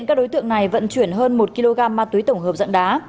các đối tượng này vận chuyển hơn một kg ma túy tổng hợp dạng đá